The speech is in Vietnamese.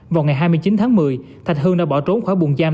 vào ngày hai mươi chín tháng một mươi thạch hưng đã bỏ trốn khỏi buồn giam